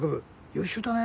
優秀だね。